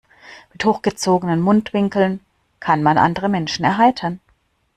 Mit hochgezogenen Mundwinkeln kann man andere Menschen erheitern.